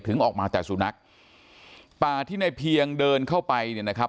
ออกมาแต่สุนัขป่าที่ในเพียงเดินเข้าไปเนี่ยนะครับ